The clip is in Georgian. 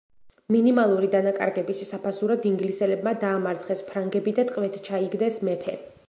მინიმალური დანაკარგების საფასურად ინგლისელებმა დაამარცხეს ფრანგები და ტყვედ ჩაიგდეს მეფე.